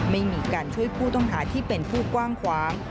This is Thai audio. ไม่มีการช่วยผู้ต้องหาที่เป็นผู้กว้างขวาง